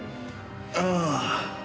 ああ。